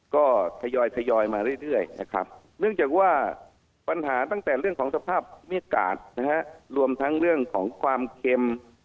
ก็ทยอยมาเรื่อยนะครับเนื่องจากว่าปัญหาตั้งแต่เรื่องของสภาพเมฆกาศนะฮะรวมทั้งเรื่องของความเค็ม